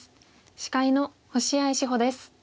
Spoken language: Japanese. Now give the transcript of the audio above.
司会の星合志保です。